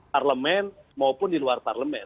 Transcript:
parlemen maupun di luar parlemen